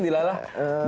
dilalahnya itu apa